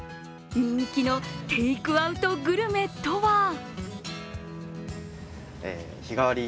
人気のテイクアウトグルメとは？